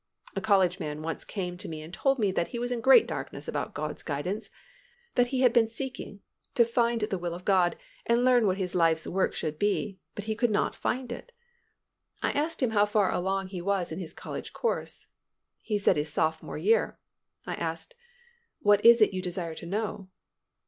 A college man once came to me and told me that he was in great darkness about God's guidance, that he had been seeking, to find the will of God and learn what his life's work should be, but he could not find it. I asked him how far along he was in his college course. He said his sophomore year. I asked, "What is it you desire to know?"